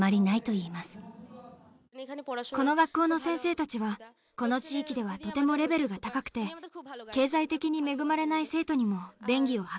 この学校の先生たちはこの地域ではとてもレベルが高くて経済的に恵まれない生徒にも便宜を図ってくれます。